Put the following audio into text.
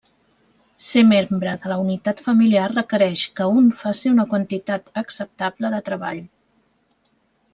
Ser membre de la unitat familiar requereix que un faci una quantitat acceptable de treball.